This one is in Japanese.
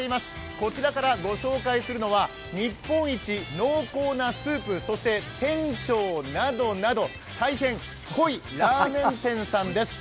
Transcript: こちらからご紹介するのは日本一濃厚なスープ、そして、店長などなど大変濃いラーメン店さんです。